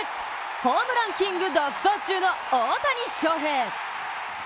ホームランキング独走中の大谷翔平。